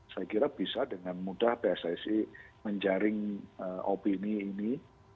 saya kira bisa dengan mudah pssi menjaring opini ini